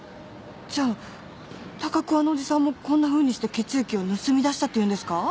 じゃあ高桑のおじさんもこんなふうにして血液を盗み出したっていうんですか？